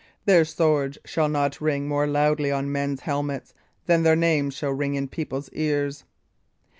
Their swords shall not ring more loudly on men's helmets than their names shall ring in people's ears."